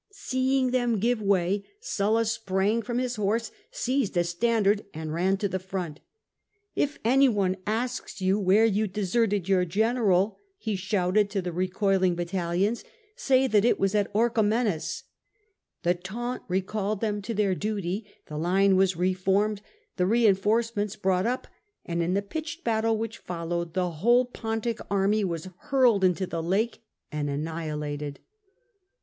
Seeing them give way, Sulla sprang from his BATTLE OF OECHOMENUS 135 horse, seized a standard, and ran to the front. " If any one asks yon where you deserted your general, he shouted to the recoiling battalions, '"say that it was at Orchomenus.'' The taunt recalled them, to their duty, the line was re formed, the reinforcements brought up, and in the pitched battle which followed the whole Pontic army was hurled into the lake and annihilated.